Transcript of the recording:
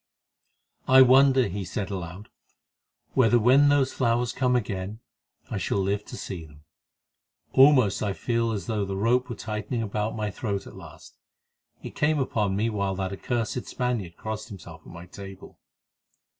"I wonder," he said aloud, "whether when those flowers come again I shall live to see them. Almost I feel as though the rope were tightening about my throat at last; it came upon me while that accursed Spaniard crossed himself at my table.